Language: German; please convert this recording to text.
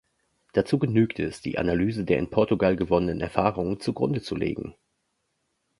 Dazu genügt es, die Analyse der in Portugal gewonnenen Erfahrungen zugrunde zu legen.